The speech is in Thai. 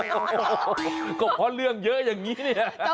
โหหัวข้อเรื่องเยอะอย่างงี้เนี้ย